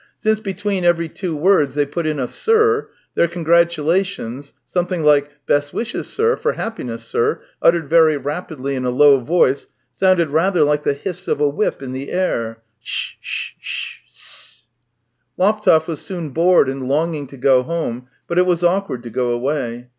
Since between every two words they put in a " sir," their congratula tions — something like " Best wishes, sir, for happiness, sir," uttered very rapidly in a low voice — sounded rather like the hiss of a whip in the air —" Shshsh s s s s s !" Laptev was soon bored and longing to go home. THREE YEARS 221 but it was awkward to go away.